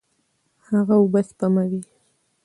هغه اوبه سپموي.